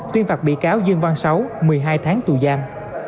tuyên phạt bị cáo dương văn sáu một mươi hai tháng tù giam